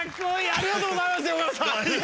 ありがとうございます横山さん。